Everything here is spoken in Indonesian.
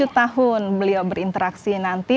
tujuh tahun beliau berinteraksi nanti